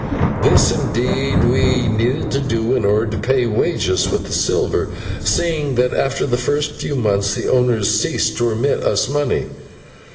This, indeed, we needed to do in order to pay wages with the silver, seeing that after the first few months the owners ceased to remit us money.